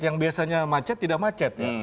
yang biasanya macet tidak macet ya